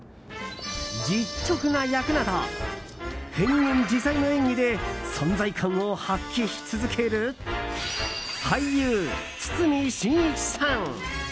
実直な役など変幻自在の演技で存在感を発揮し続ける俳優・堤真一さん。